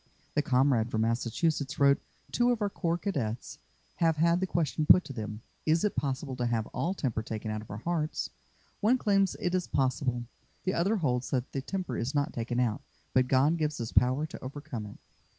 The comrade from Massachusetts wrote: "Two of our Corps Cadets have had the question put to them: 'Is it possible to have all temper taken out of our hearts?' One claims it is possible. The other holds that the temper is not taken out, but God gives power to overcome it."